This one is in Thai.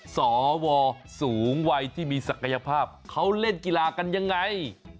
สวสูงวัยที่มีศักยภาพเขาเล่นกีฬากันยังไง